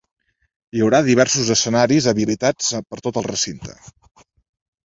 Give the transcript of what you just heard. Hi haurà diversos escenaris habilitats per tot el recinte.